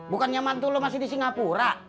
bukannya mantul lo masih di singapura